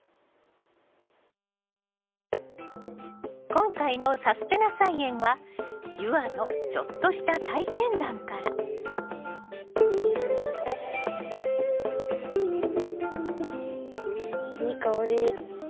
今回の「さすてな菜園」は夕空のちょっとした体験談からいい香り。